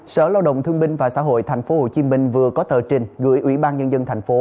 sở lao động thương binh và xã hội tp hcm vừa có tờ trình gửi ủy ban nhân dân thành phố